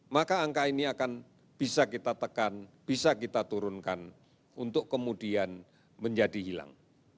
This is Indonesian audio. maka angka ini akan bisa kita tekan bisa kita turunkan untuk kemudian menjadi hilang